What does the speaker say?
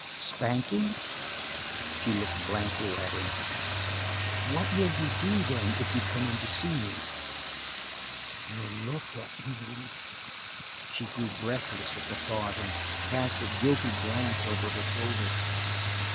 "Spanking?" She looked blankly at him. "What will he do, then, if you come in to see me?" "He'll look at me." She grew breathless at the thought, and cast a guilty glance over her shoulder.